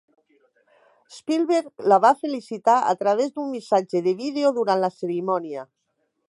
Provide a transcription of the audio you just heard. Spielberg la va felicitar a través d'un missatge de vídeo durant la cerimònia.